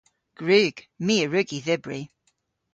Gwrug. My a wrug y dhybri.